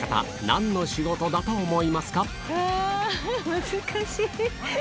難しい！